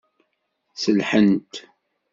Sellḥent.